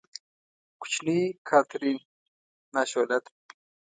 کوچنۍ کاترین، ناشولته!